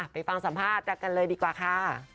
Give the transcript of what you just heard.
ไปฟังสัมภาษณ์กันเลยดีกว่าค่ะ